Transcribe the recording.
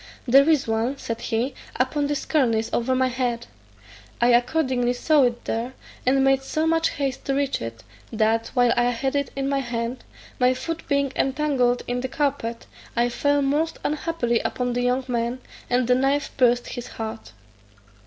"There is one," said he, "upon this cornice over my head:" I accordingly saw it there, and made so much haste to reach it, that, while I had it in my hand, my foot being entangled in the carpet, I fell most unhappily upon the young man, and the knife pierced his heart.